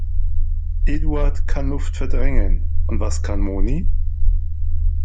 Eduard kann Luft verdrängen. Und was kann Moni?